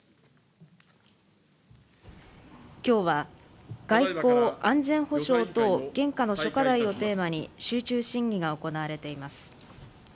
きょうは、外交・安全保障等、現下の諸課題をテーマに集中審議が行われています。